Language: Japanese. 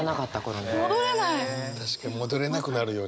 確かに戻れなくなるよね。